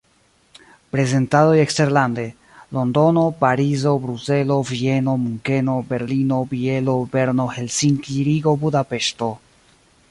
Prezentadoj eksterlande: Londono, Parizo, Bruselo, Vieno, Munkeno, Berlino, Bielo, Berno, Helsinki, Rigo, Budapeŝto.